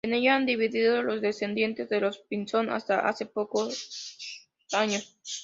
En ella han vivido los descendientes de los Pinzón hasta hace pocos años.